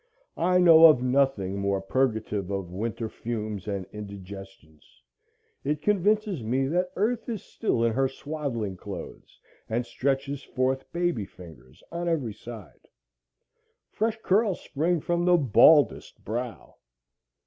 I know of nothing more purgative of winter fumes and indigestions. It convinces me that Earth is still in her swaddling clothes, and stretches forth baby fingers on every side. Fresh curls spring from the baldest brow.